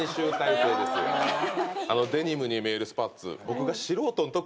あのデニムに見えるスパッツ。